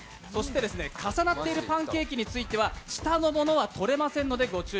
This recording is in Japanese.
重なっているパンケーキについては下のものは取れません。